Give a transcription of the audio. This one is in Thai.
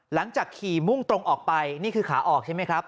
หลังจากขี่มุ่งตรงออกไปนี่คือขาออกใช่ไหมครับ